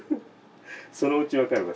そのうちわかるわ。